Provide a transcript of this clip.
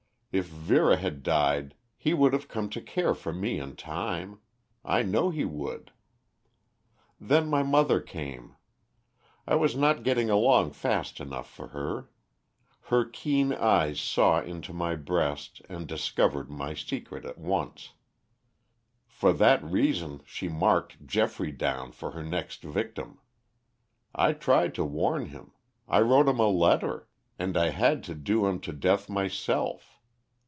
If Vera had died he would have come to care for me in time. I know he would. "Then my mother came. I was not getting along fast enough for her. Her keen eyes saw into my breast and discovered my secret at once. For that reason she marked Geoffrey down for her next victim. I tried to warn him; I wrote him a letter. And I had to do him to death myself.